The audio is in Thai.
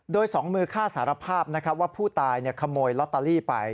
โดยสองมือฆ่าสารภาพว่าผู้ตายขโมยลอตเตอรี่ไป